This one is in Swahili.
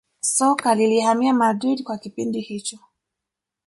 soka lilihamia madrid kwa kipindi hicho